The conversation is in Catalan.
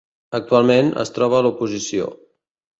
Actualment, es troba a l'oposició.